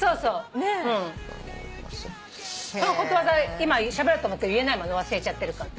今しゃべろうと思っても言えないもんね忘れちゃってるから。